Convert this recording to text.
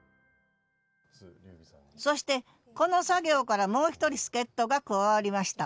そしてこの作業からもう一人助っとが加わりました。